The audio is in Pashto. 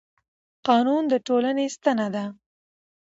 قانون د ټولنې ستنه ده